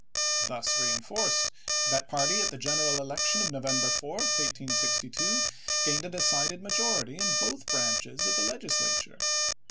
Thus reenforced that party at the general election of November 4, 1862, gained a decided majority in both branches of the Legislature.